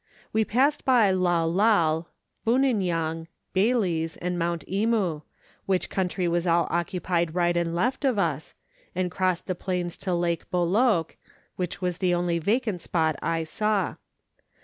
We passed by Lai Lai, Buninyong, BailhVs, and Mount Emu, which country was all occupied right and left of us, and crossed the plains to Lake Boloke, which was the only vacant spot I saw.